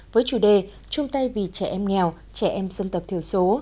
với chủ đề trung tay vì trẻ em nghèo trẻ em dân tập thiểu số